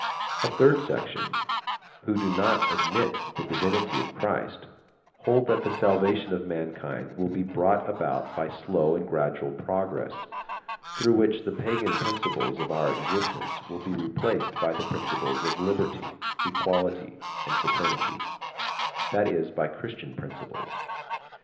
A third section, who do not admit the divinity of Christ, hold that the salvation of mankind will be brought about by slow and gradual progress, through which the pagan principles of our existence will be replaced by the principles of liberty, equality, and fraternity that is, by Christian principles.